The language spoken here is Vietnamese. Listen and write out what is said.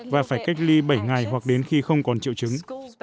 và phải cách ly bảy ngày hoặc đến khi không còn triệu chứng